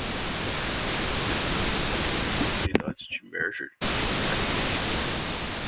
Estamos avaliando oportunidades de merger and acquisition (M&A).